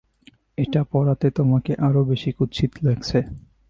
এটা পরাতে তোমাকে আরও বেশি কুৎসিত লাগছে।